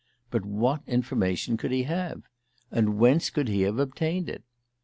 But what information could he have? And whence could he have obtained it?